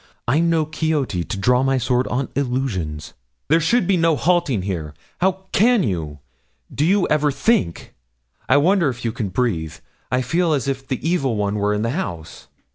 I'm no Quixote, to draw my sword on illusions.' 'There should be no halting here. How can you do you ever think? I wonder if you can breathe. I feel as if the evil one were in the house.'